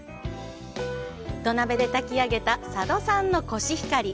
土鍋で炊き上げた佐渡産のコシヒカリ。